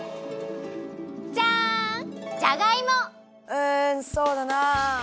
うんそうだな。